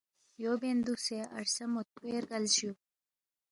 یو بین دُوکسے عرصے موتپوے رگلس جُو